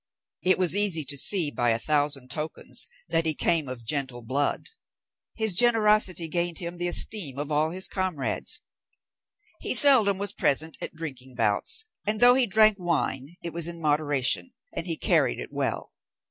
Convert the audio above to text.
It was easy to see by a thousand tokens that he came of gentle blood. His generosity gained him the esteem of all his comrades. He seldom was present at drinking bouts; and though he drank wine, it was in moderation, and he carried it well.